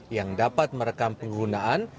yang dapat merekam penggunaan